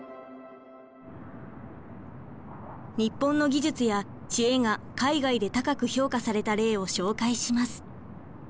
日本の技術や知恵が海外で高く評価された例を紹介します。